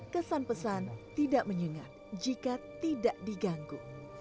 kesan pesan tidak menyengat jika tidak diganggu